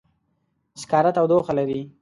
سکاره تودوخه لري.